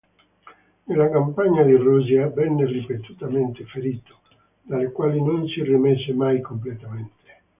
Nella campagna di Russia venne ripetutamente ferito, dalle quali non si rimise mai completamente.